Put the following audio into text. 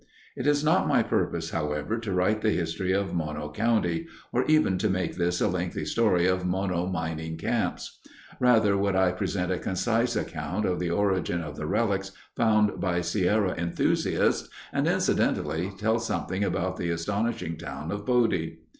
It is not my purpose, however, to write the history of Mono County, or even to make this a lengthy story of Mono mining camps. Rather would I present a concise account of the origin of the relics found by Sierra enthusiasts, and, incidentally, tell something about the astonishing town of Bodie.